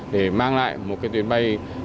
để mang lại một kết quả thành quả